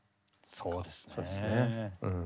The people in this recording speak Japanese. そうですねうん。